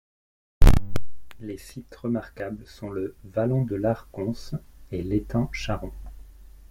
Les sites remarquables sont le 'Vallon de l'Arconce' et l'Étang Charron.